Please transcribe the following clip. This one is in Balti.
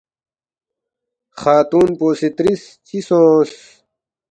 خاتون پو سی ترِس، ”چِہ سونگس؟“